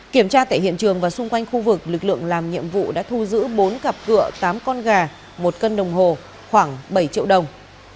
kiểm tra tại hiện trường và xung quanh khu vực lực lượng làm nhiệm vụ đã thu giữ bốn cặp cửa tám con gà một cân đồng hồ khoảng bảy triệu đồng